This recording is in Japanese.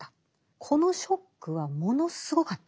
このショックはものすごかったんです。